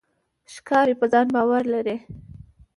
ښکاري په ځان باور لري.